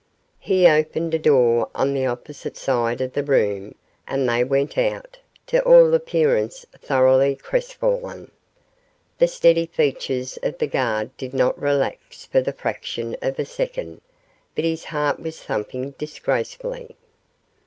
He opened a door on the opposite side of the room, and they went out, to all appearance thoroughly crestfallen. The steady features of the guard did not relax for the fraction of a second, but his heart was thumping disgracefully.